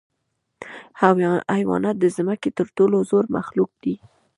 حیوانات د ځمکې تر ټولو زوړ مخلوق دی.